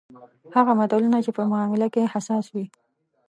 هغه ملتونه چې په معامله کې حساس وي.